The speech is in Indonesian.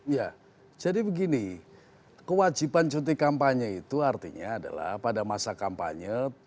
ya jadi begini kewajiban cuti kampanye itu artinya adalah pada masa kampanye